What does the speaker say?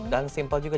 dan simple juga